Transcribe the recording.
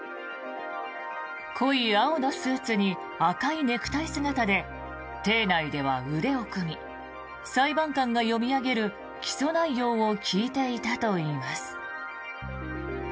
濃い青のスーツに赤いネクタイ姿で廷内では腕を組み裁判官が読み上げる起訴内容を聞いていたといいます。